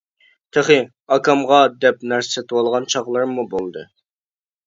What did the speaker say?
تېخى «ئاكامغا» دەپ نەرسە سېتىۋالغان چاغلىرىممۇ بولدى.